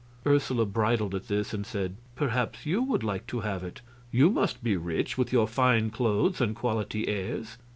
Ursula bridled at this and said: "Perhaps you would like to have it. You must be rich, with your fine clothes and quality airs."